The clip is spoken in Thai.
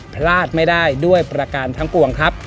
พลาดไม่ได้ด้วยประการทั้งปวงครับ